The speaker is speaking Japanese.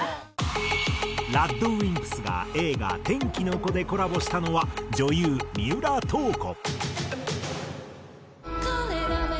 ＲＡＤＷＩＭＰＳが映画『天気の子』でコラボしたのは女優三浦透子。